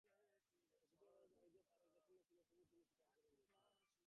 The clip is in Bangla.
সতীশের মতো দারিদ্র্যে তাঁর ঔদাসীন্য ছিল না তবুও তিনি তা স্বীকার করে নিয়েছিলেন।